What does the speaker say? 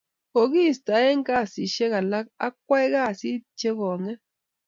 kokiista eng kasishek alak ak kwai kasit che konget